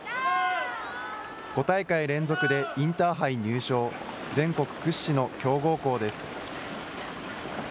５大会連続でインターハイ入賞、全国屈指の強豪校です。